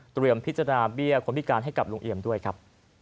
พิจารณาเบี้ยคนพิการให้กับลุงเอี่ยมด้วยครับ